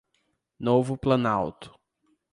Novo Planalto